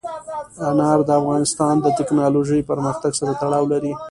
انار د افغانستان د تکنالوژۍ پرمختګ سره تړاو لري.